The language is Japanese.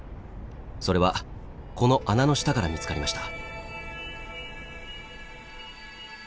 それはこの穴の下から見つかりました。